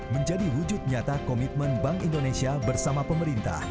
menjadi wujud nyata komitmen bank indonesia bersama pemerintah